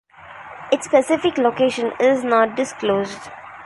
Its specific location is not disclosed.